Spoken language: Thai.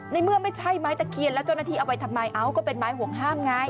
ในเมื่อไม่ใช่ไม้ตะเคียนแล้วเจ้าหน้าที่เอาไปทำไมเอ้าก็เป็นไม้ห่วงห้ามไง